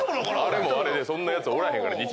あれもあれでそんなやつおらへんから日常に。